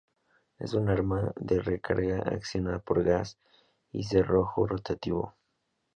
Es un arma de recarga accionada por gas y cerrojo rotativo.